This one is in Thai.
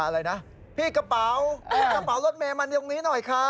อะไรนะพี่กระเป๋าพี่กระเป๋ารถแมงมาตรงนี้หน่อยค่ะ